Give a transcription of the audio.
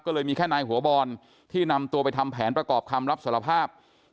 ก็เลยมีแค่นายหัวบอลที่นำตัวไปทำแผนประกอบคำรับสารภาพ